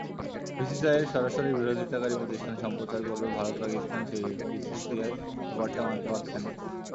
বিসিসিআইয়ের সরাসরি বিরোধিতাকারী প্রতিষ্ঠান সম্প্রচার করবে ভারত-পাকিস্তান সিরিজ, বিসিসিআই ব্যাপারটা মানতে পারছে না।